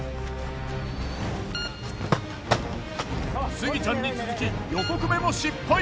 スギちゃんに続き横粂も失敗。